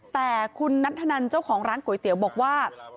แต่คุณนัทธนันเจ้าของร้านก๋วยเตี๋ยวบอกว่า